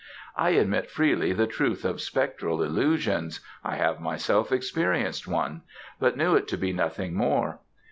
I admit freely the truth of spectral illusions I have myself experienced one but knew it to be nothing more.